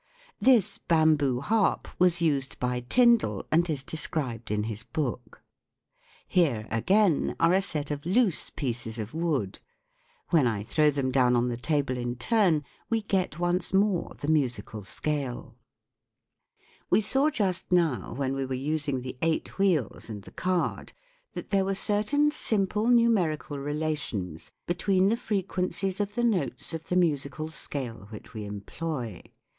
This " bamboo harp " was used by Tyndall, and is described in his book. Here, again, are a I set of loose pieces of wood : when I throw them down on the table in turn, we get once more the We saw just now, when we were using the eight wheels and the card, that there were certain simple numerical relations between the frequencies of the notes of the musical scale which we employ.